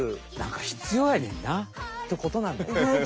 必要やねんな。ってことなんだね。